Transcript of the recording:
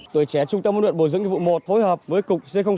tôi ché trung tâm huấn luyện bộ dưỡng nghiệp vụ một phối hợp với cục